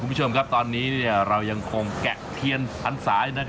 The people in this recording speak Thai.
คุณผู้ชมอาจจะได้เป็นแบบไม่จำได้